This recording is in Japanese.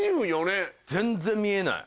全然見えない。